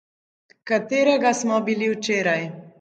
Katerega smo bili včeraj?